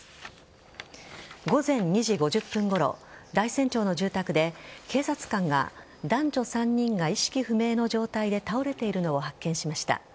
午前２時５０分ごろ大山町の住宅で警察官が男女３人が意識不明の状態で倒れているのを発見しました。